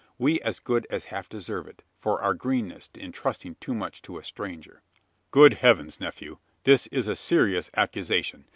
We as good as half deserve it for our greenness, in trusting too much to a stranger." "Good heavens, nephew! this is a serious accusation.